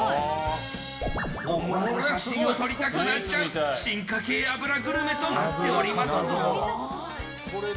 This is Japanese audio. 思わず写真を撮りたくなっちゃう進化形脂グルメとなっておりますぞ。